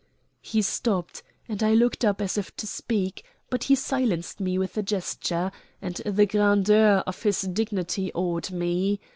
He stopped, and I looked up as if to speak, but he silenced me with a gesture; and the grandeur of his dignity awed me.